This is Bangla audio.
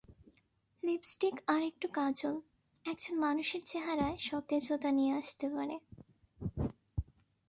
লিপস্টিক আর একটু কাজল একজন মানুষের চেহারায় সতেজতা নিয়ে আসতে পারে।